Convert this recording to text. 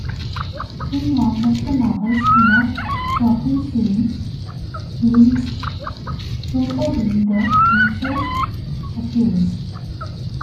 In one of the novel's more shocking scenes, glimpsed through a window, incest occurs.